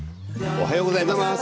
おはようございます。